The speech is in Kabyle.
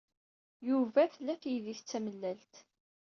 Yuba tla taydit d tamellalt.